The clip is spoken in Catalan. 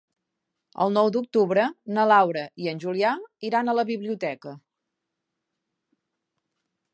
El nou d'octubre na Laura i en Julià iran a la biblioteca.